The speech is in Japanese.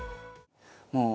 もう。